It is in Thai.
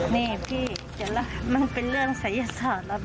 นี่พี่มันเป็นเรื่องศัยยศาสตร์ครับพี่